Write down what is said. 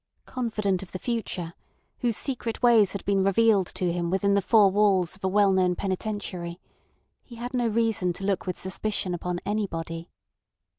Confident of the future, whose secret ways had been revealed to him within the four walls of a well known penitentiary, he had no reason to look with suspicion upon anybody.